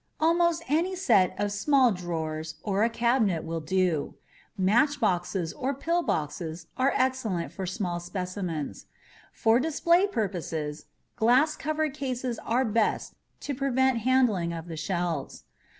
Almost any set of small drawers or a cabinet will do. Matchboxes or pillboxes are excellent for small specimens. For display purposes, glass covered cases are best to prevent handling of the shells.